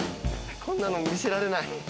こんなの見せられない。